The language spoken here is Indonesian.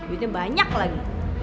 udah banyak lagi